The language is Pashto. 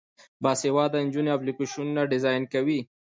باسواده نجونې اپلیکیشنونه ډیزاین کوي.